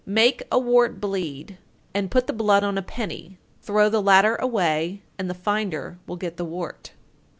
_ 904. Make a wart bleed, and put the blood on a penny, throw the latter away, and the finder will get the wart.